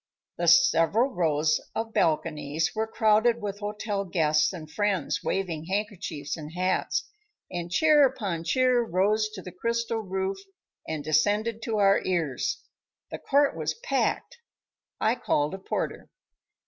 The several rows of balconies were crowded with hotel guests and friends waving handkerchiefs and hats, and cheer upon cheer rose to the crystal roof and descended to our ears. The court was packed. I called a porter.